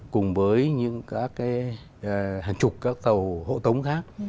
cùng với những các hàng chục các tàu hộ tống khác